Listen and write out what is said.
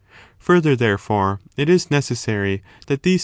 Further, therefore, it is necessary that these